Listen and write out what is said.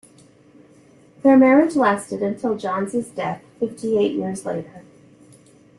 Their marriage lasted until Johns's death fifty-eight years later.